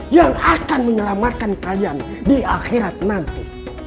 yang akan menyelamatkan kalian di akhirat nanti